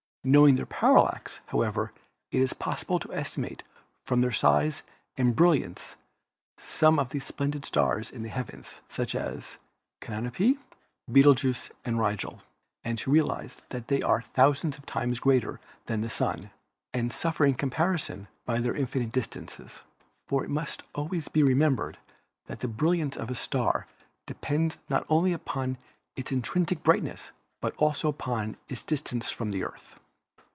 Knowing their parallax, however, it is possible to estimate from their size and brilliancy some of the splendid stars in the heav ens, such as Canopus, Betelgeux and Rigel, and to realize that they are thousands of times greater than the Sun and suffer in comparison by their infinite distances. For it must always be remembered that the brilliancy of a star depends not only upon its intrinsic brightness but also upon its distance from the Earth.